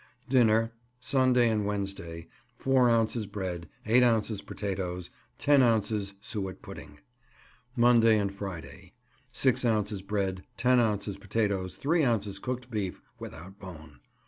Dinner Sunday and Wednesday 4 ounces bread, 8 ounces potatoes, 10 ounces suet pudding. Monday and Friday 6 ounces bread, 10 ounces potatoes, 3 ounces cooked beef (without bone).